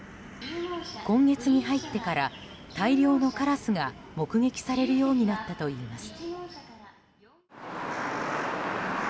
今月に入ってから大量のカラスが目撃されるようになったといいます。